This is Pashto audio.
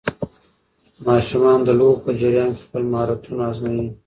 ماشومان د لوبو په جریان کې خپل مهارتونه ازمويي.